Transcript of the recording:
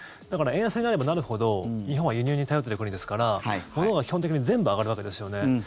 だから、円安になればなるほど日本は輸入に頼ってる国ですから物が基本的に全部上がるわけですよね。